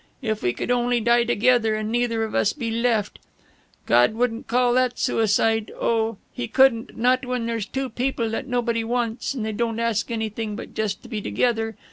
"If we could only die together and neither of us be left "God wouldn't call that suicide oh, He couldn't, not when there's two people that nobody wants and they don't ask anything but just to be together.